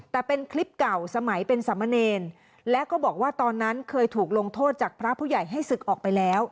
แต่เป็นคลิปเก่าสมัยเป็นสามเณรและก็บอกว่าตอนนั้นเคยถูกลงโทษจากพระผู้ใหญ่ให้ศึกออกไปแล้ว